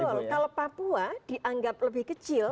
betul kalau papua dianggap lebih kecil